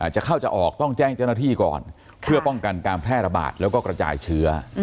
จะเข้าจะออกต้องแจ้งเจ้าหน้าที่ก่อนเพื่อป้องกันการแพร่ระบาดแล้วก็กระจายเชื้อ